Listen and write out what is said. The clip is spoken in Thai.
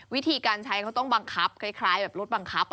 วิธีการใช้เขาต้องบังคับคล้ายแบบรถบังคับ